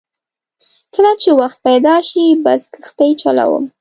کله چې وخت پیدا شي بس کښتۍ چلوم.